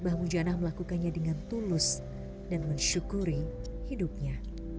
mbah mujana melakukannya dengan tulus dan mensyukuri hidupnya